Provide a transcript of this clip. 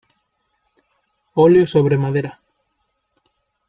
Óleo sobre madera.